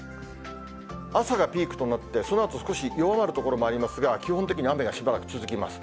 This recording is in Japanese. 朝がピークとなって、そのあと少し弱まる所もありますが、基本的に雨がしばらく続きます。